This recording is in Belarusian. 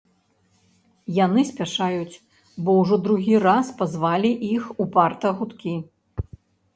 Яны спяшаюць, бо ўжо другі раз пазвалі іх упарта гудкі.